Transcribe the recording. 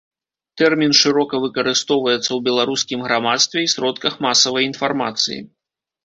Тэрмін шырока выкарыстоўваецца ў беларускім грамадстве і сродках масавай інфармацыі.